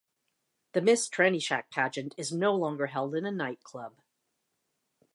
The Miss Trannyshack Pageant is no longer held in a nightclub.